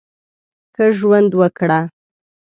ښه ژوند وکړه !